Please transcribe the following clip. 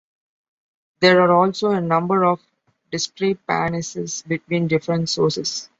There are also a number of discrepancies between different sources.